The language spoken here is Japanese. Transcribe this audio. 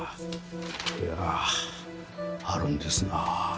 いやあるんですな。